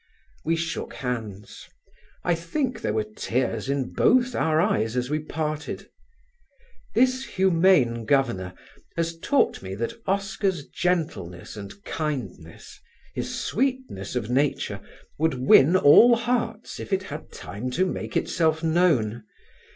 We shook hands. I think there were tears in both our eyes as we parted. This humane Governor had taught me that Oscar's gentleness and kindness his sweetness of nature would win all hearts if it had time to make itself known.